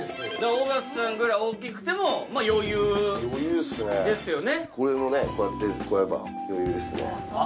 尾形さんぐらい大きくても余裕ですよね